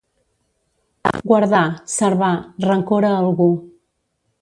Guardar, servar, rancor a algú.